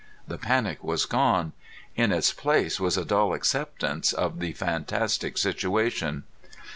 The panic was gone. In its place was a dull acceptance of the fantastic situation.